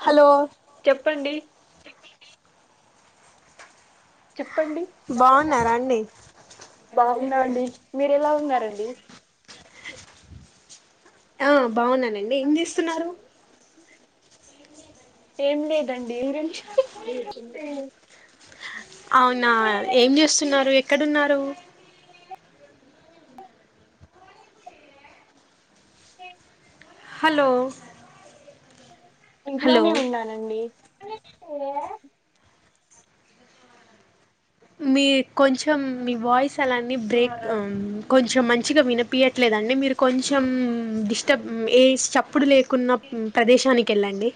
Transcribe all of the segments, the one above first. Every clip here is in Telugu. హలో చెప్పండి చెప్పండి బాగు నారా బాగున్నారా అండి బాగున్నాండి మీర ఎలా ఉన్నారు రండి ఆ బాగున్నానండి ఏం చేస్తున్నారు ఏం లేదండి [unintelligible] అవునా ఏం చేస్తున్నారు ఎక్కడున్నారు ఇ హలో హలో ఇంట్లోనే ఉన్నానండి మీ కొంచెం మీ వాయిస్ అలాన్నీ బ్రేక్ ఉమ్ కొంచెం మంచిగా వినపియట్లేదండి మీరు కొంచెం డిస్టబ్ ఏ చప్పుడు లే కున్న ప్రదేశానికేళ్ళండి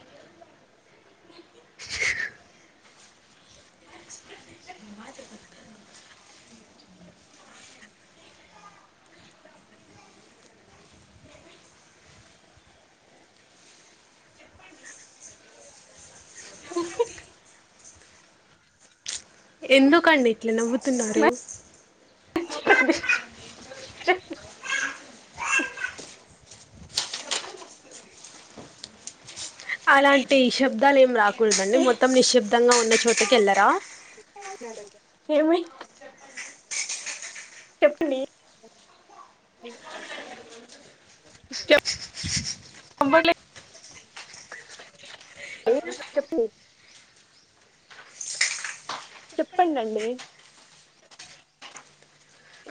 ఎందుకండి ఇట్ల నవ్వుతున్నారు చెప్ అలాంటి శబ్ ద్దాలు ఏం రాకూడదండి మొత్తం నిశ్శిబ్దంగా ఉన్న చోటుకేళ్ళరా ఏమి చెప్పండి చెప్ నంబర్లే చెప్పు చెప్పండండి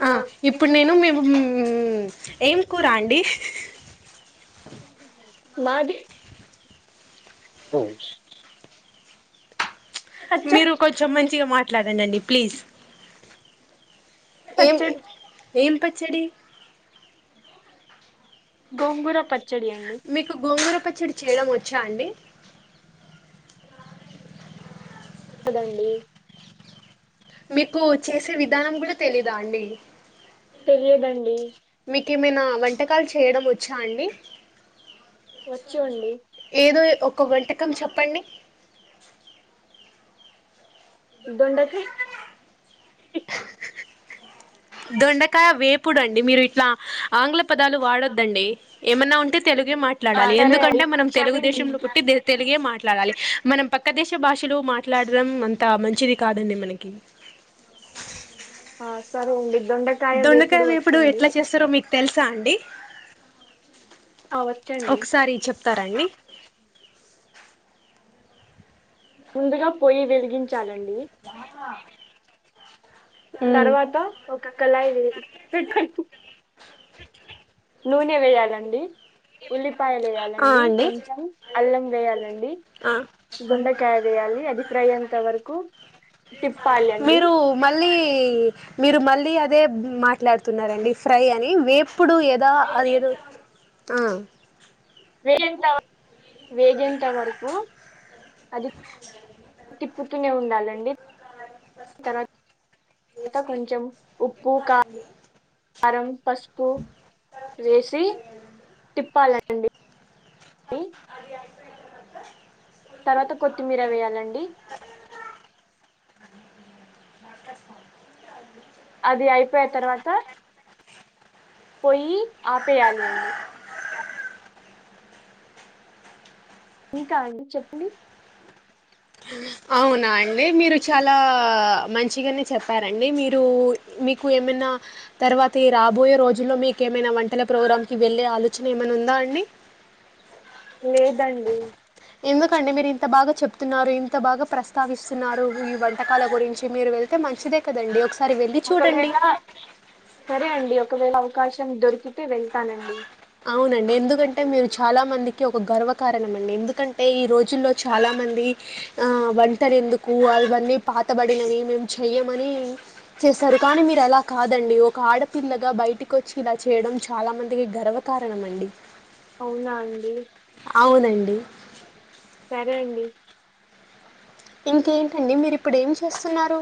ఆ ఇప్పుడు నేను మేము ఊమ్ ఏం కూరా అండి మాది రోడ్స్ మీరు కొంచెం మంచిగ మాట్లాడండండి ప్లీజ్. ఏం పచ్చడి ఏం పచ్చడి? గోంగూర పత్ మీకు గోంగూర పచ్చడి చేయడం వచ్చా అండి? కదండి మీకు చేసే విధానం గూడా తెలీదా అండి? తెలియదండి మీకెమైనా వంటకాలు చేయడం ఒచ్చా అండి? వచ్చండి ఏదో ఒక వంటకం చెప్పండి? దొండకాయ్ దొండకాయ వేపుడండి మీరు ఇట్లా ఆంగ్ల పదాలు వాడొద్దండి. ఏమన్నా ఉంటే తెలుగే ఆ మాట్లాడాలి, సరే అండి ఎందుకంటే మనం క్షమించండి తెలుగుదేశంలో పుట్టి, బె తెలుగే మాట్లాడాలి మనం పక్క దేశ భాషలు మాట్లాడదం అంత మంచిది కాదండి మనకి. [unintelligible] ఆ సరే అండి దొండకాయ వేపుడు ఎట్ల చేస్తరో మీకు తెలుసా అండి? ఆ వచ్చండి తరండి ముందుగా పోయి వెలిగించాలండి తర్వాత ఒక కళయి వేడి పెట్కొని [unintelligible] నూనె వేయాలండి ఉల్లిపాయలు ఆ ఏయాలండి అండి కొంచెం అల్లం వేయాలండి ఆ దొండకాయవేయాలి అది ఫ్రై అంత వరకు తిప్పాలండి మీరూ మళ్ళీ మీరు మళ్ళీ అదే మాట్లాడుతున్నారండి. ఫ్రై అని వేప్పుడు ఏదా అదేదో? ఆ వేగంత వరకు అది అ [unintelligible] తిప్పుతూనే ఉండాలండి తర్వాత త కొంచెం ఉప్పు క కారం పసుపు వేసి తిప్పాలండి అది అది తర్వాత కొత్తిమీర వేయాలండి నాటస్త అ అది అయిపోయే తర్వాత పోయి ఆపేయాలి అండి ఇంకా అండి చెప్పండి? అవునా అండి మీరు చాలా మంచిగనే చెప్పారండి. మీరూ మీకు ఎప్ ఏమన్నా తర్వాతీ రాబోయే రోజుల్లో మీకేమైనా వంటల ప్రోగ్రాం కి వెళ్ళే ఆలోచనేమనుందా అండి? లేదండి ఎందుకండీ మీరు ఇంత బాగా చెప్తున్నారు. ఇ అంత బాగా ప్రస్తావిస్తున్నారు, ఈ వంటకాల గురించి మీరు వెళ్తే మంచిదే కదండి. ఒకసా వెళ్ళి చూడండి ఒకవేళ సరే అండి ఒకవేళ అవకాశం దొరికితే వెళ్తానండి అవునండి ఎందుకంటే మీరు చాలామందికి ఒక గర్వకారణమండి. ఎందుకంటే ఈ రోజుల్లో చాలామంది ఆ వంటరెందుకు అవన్నీ పాతబడినవి మేము చెయ్యమని చేస్తారు కానీ మీర్ ఒకప్పుడు అలా కాదండి ఒక ఆడపిల్లగా బయటికి వచ్చి ఇలా చేయడం చాలా మందికి గర్వకారణం అండి. అవునా అండి ఉ సరే అండి. ఇంకేంటండి మీరు ఇప్పుడు ఏం చేస్తున్నారు.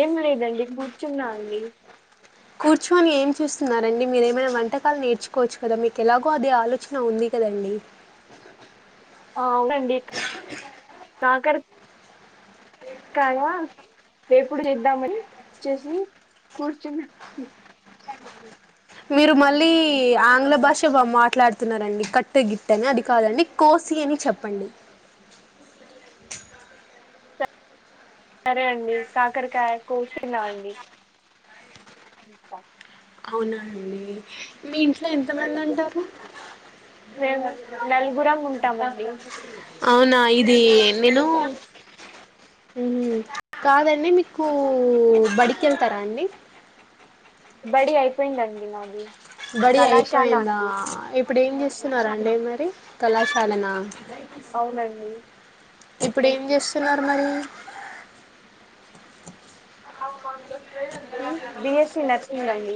ఏం లేదండి కూర్చున్నా అండి. కూర్చోని ఏం చూస్తున్నారండి మీరు ఏమైనా వంటకాలు నేర్చుకోవచ్చు కదా మీకు ఎలాగో అదే ఆలోచన ఉంది. కదండి ఆ అవునండి కాకర కాయా వేపుడు చేద్దామని చూసి కూర్చున్నా. మీరు మళ్ళీ ఆంగ్ల భాష బ మాట్లాడ స్తున్నారండి కట్టు గిట్టు అని అది కాదండి కోసి అని చెప్పండి. సరే అండి కాకరకాయ కోసి తిన్నాంఅండి. ఇంతా అవునండి మీ ఇంట్లో ఎంత మంది ఉంటారు. మేము నలుగురం ఉంటామండి. దీ నిలువు ఉమ్మ్ కాదండి మీకు బడికి వెళ్తారా అండి. బడి అయిపోయిందండి నాది. బడి కళాశాల అయిపోయిందా అండి ఇప్పుడు ఏం చేస్తున్నరండి మరి కళాశాలన. అవునండి ఇప్పుడు ఏం చేస్తున్నారు మరి. బిఎస్సీ నర్సింగ్ అండి.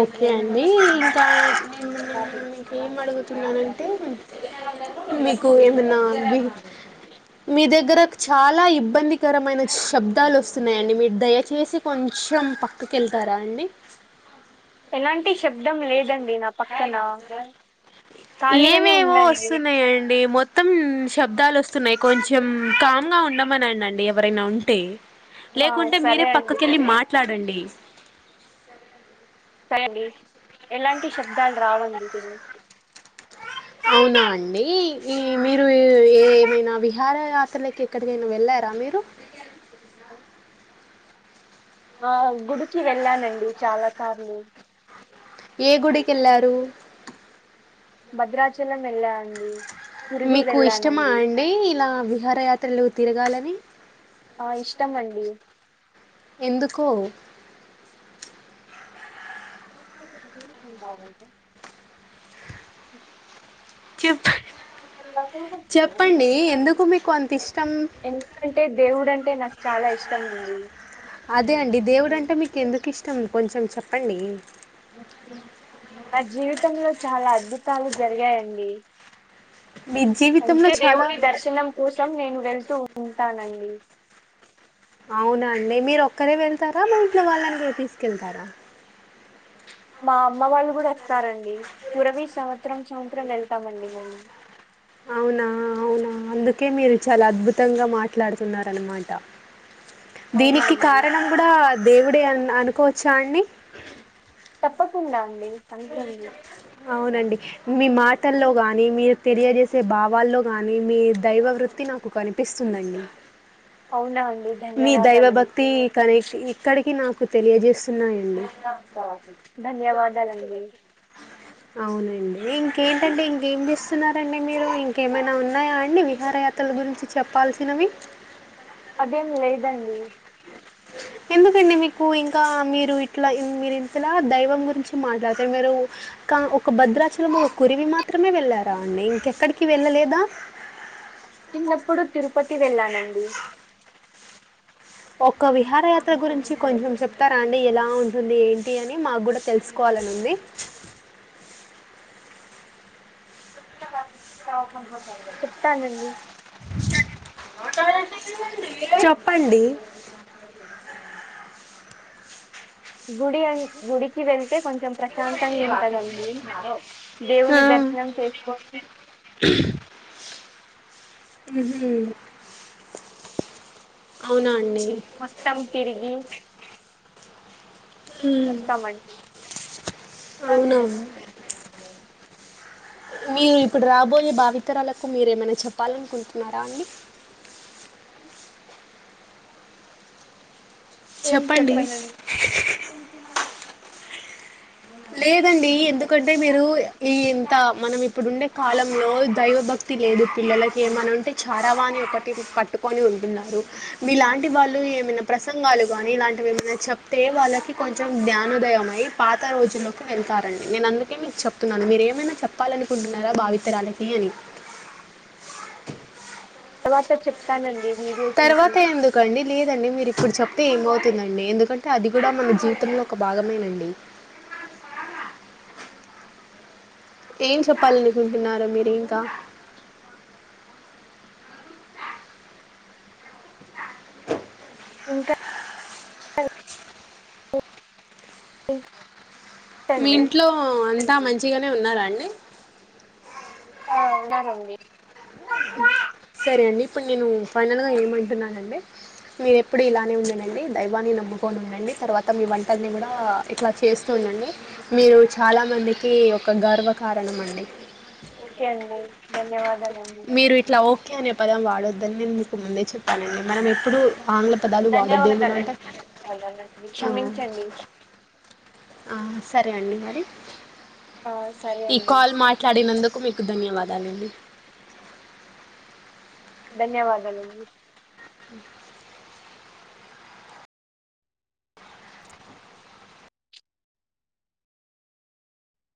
ఓకే అండి ఇంకా నేను ఏం అడుగుతున్నానంటే మీకు ఏమనా దిగు మీదగ్గర చాలా ఇబ్బందికరమైన శబ్దాలు వస్తున్నాయండి మీరు దయచేసి కొంచెం పక్కకెళ్తారా. కదా అండి. ఎలాంటి శబ్దం లేదండి నా పక్కన. ఖాళీగానే ఏమేమో ఉందండి వస్తున్నాయండి మొత్తం శబ్దాలు వస్తున్నాయ్ కొంచెం కామ్ గా ఉండం మనన్నండి ఎవరైనా ఉంటే ఆ లేకుంటే మీరే సరే అండి పక్కకెళ్ళి మాట్లాడండి. సరే అండి ఎలాంటి శబ్దాలు రావండి ఇదిగో అవునా అండి ఈ మీరు ఏ ఏమైనా విహార యాత్రలకి ఎక్కడికైనా వెళ్ళా రా మీరు ఉ ఆ గుడికి వెళ్ళానండి చాలా సార్లు. ఏ గుడికెళ్ళారు. భద్రాచలం వెళ్ళా అండి. పురివి మీకు ఇష్టమా వెళ్ళానండి అండి ఇలా విహారయాత్రలు తిరగాలని. ఆ ఇష్టం అండి. ఎందుకూ [unintelligible] బాగుంటే చెప్పా [unintelligible] చెప్పండి ఎందుకు మీకు అంత ఇష్టం. ఎందుకంటే దేవుడు అంటే నాకు చాలా ఇష్టంగుంది. అదే అండి దేవుడంటే మీకు ఎందుకు ఇష్టం కొంచెం చెప్పండి. నా జీవితంలో చాలా అద్భుతాలు జరిగాయండి. మీ జీవితంలో అందుకే చాలా దేవుని దర్శనం కోసం నేను వెళ్తూ ఉంటానండి. అవునా అండి మీరొక్కరే వెళ్తారా మీ ఇంట్లో వాళ్ళని కూడ తీసుకెళ్తారా. మా అమ్మ వాళ్ళు కూడా వస్తారండి తురవి సంవత్సరం సంవత్సరం వెళ్తామండి మేము. అవునా అవునా అందుకే మీరు చాలా అద్భుతంగా మాట్లాడుతున్నారనమాట అవునా దీనికి అండి కారణం కూడా దేవుడే అ అనుకోవచ్చా అడి తప్పకుండా అండి అంతే అండి అవునండి మీ మాటల్లో గాని మీరు తెలియజేసే భావాల్లో గాని మీ దైవ వృత్తి నాకు కనిపిస్తుందండి అవునా అండి మీ దైవ ధన్యవాదాలండి భక్తి కన ఇక్కడికి నాకు తెలియజేస్తున్నాయి ధన్యవాదలండీ మీ అవునండి ఇంకేంటంటే ఇంకేంపిస్తున్నారండి మీరు ఇంకేమైనా ఉన్నాయా అండి విహార అతలు గురించి చెప్పాల్సినవి అదేం లేదండి ఎందుకండి మీకు ఇంకా మీరు ఇట్లా మీరు ఇంతల దైవం గురించి మాట్లాడుతున్నరు మీరు కా ఒక భద్రాచలంలో కురివి మాత్రమే వెళ్ళారా అండి ఇంకెక్కడికి వెళ్ళలేదా [unintelligible] వప్పుడు తిరుపతి వెళ్ళానండి ఒక విహార యాత్ర గురించి కొంచెం చెప్తారా అండి ఎలా ఉంటుంది ఏంటి అని మాకు కూడా తెలుసుకోవ లనుంది చెప్తానండి [unintelligible] చెప్పండి [unintelligible] గుడి అం గుడికివేల్ తే కొంచెం ప్రశాంతంగా ఉంటదండి ఆ దేవుని దర్శనం చేసుకొని ఉహు అవునా అండి మత్తం తిరిగి వోస్తమండి అవునవును [unintelligible] మీరు ఇప్పుడు రాబోయే భావితరాలకు మీరేమైనా చెప్పాలనుకుంటున్నారా అండి ఏం చెప్పండి చెప్పనం లేదండి ఎందుకంటే మీరు ఈ ఇంత మనం ఇప్పుడుండే కాలంలో దైవభక్తి లేదు పిల్లలకి ఏమనంటే చడావాని ఒకటి కట్టు కోని ఉంటున్నారు మీలాంటి వాళ్ళు ఏమైనా ప్రసంగాలు గనీ ఇలాంటివి ఏమైనా చెప్తే వాళ్ళకి కొంచెం జ్ఞానోదయమై పాత రోజ్ విలోకి వెళ్తారండి నేను అందుకే మీకు చెప్తున్నాను మీరు ఏమైనా చెప్పాలనుకుంటున్నారా భావితరాలికి అని తర్వాత చెప్తానండి వీడియో చూసి తర్వాత ఎందుకండి లేదండి మీరు ఇప్పుడు చెప్తే ఏమతుందండి ఎందుకంటే తే అది కూడా మన జీవితంలో ఒక భాగమేనండి ఏం చెప్పాలనుకుంటున్నారు మీరు ఇంకా [inaudible] ఇంకా [unintelligible] మీ అండి ఇంట్లో అంత మంచిగనే ఉన్నరా అండి ఆ ఉన్నారండి సరే అండి ఇప్పుడు నేను ఫైనల్గా ఏమంటున్నానండే మీరేప్పుడు ఇలానే ఉండండండి దైవాన్ని నమ్ముకొని ఉండండి తర్వాత మీ వంటల్ని కూడా ఆ ఇట్లా చేస్త్ అండి మీరు చాలా మందికి ఒక గర్వ కారణం అండి ఓకే అండి ధన్యవాదాల్ మీరు ఇట్ల ఓకే అనే పదం వాడొద్దని నేను మీకు ముందే చెప్పానండి మనం ఎప్పుడు ఆంగ్ల పదాలు వాడద్దేమన్న అంటే ధన్యవాదాలండి ఆ క్షమించండి ఆ సరే అండి మరి ఆ సరే ఈ అండి కాల్ మాట్లాడినందు మీకు ధన్యవాదాలండి ధన్యవాదలండి [unintelligible]